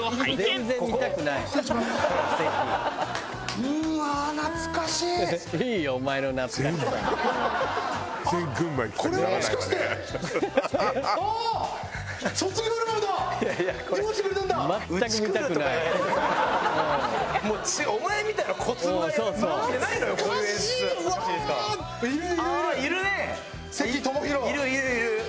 いるいるいる。